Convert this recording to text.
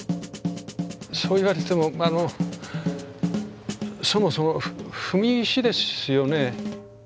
そう言われてもあのそもそも踏み石ですよね？